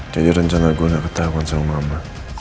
jadi rencana gue nak ketahuan sama mama